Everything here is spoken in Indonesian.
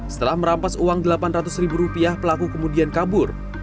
setelah merampas uang rp delapan ratus pelaku kemudian kabur